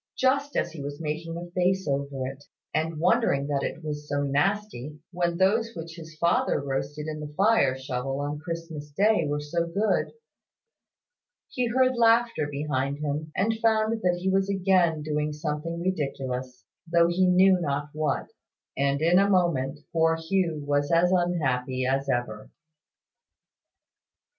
Just as he was making a face over it, and wondering that it was so nasty, when those which his father roasted in the fire shovel on Christmas day were so good, he heard laughter behind him, and found that he was again doing something ridiculous, though he knew not what: and in a moment poor Hugh was as unhappy as ever.